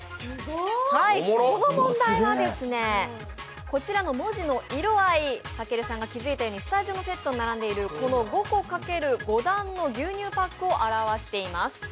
この問題は、こちらの文字の色合いたけるさんが気づいたように、スタジオのセットに並んでいるこの５個×５段の牛乳パックを表しています。